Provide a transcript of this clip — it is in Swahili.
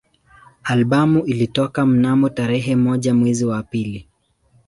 Albamu ilitoka mnamo tarehe moja mwezi wa pili